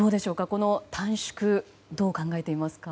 この短縮どう考えていますか？